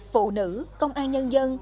phụ nữ công an nhân dân